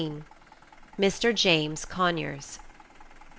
MR. JAMES CONYERS.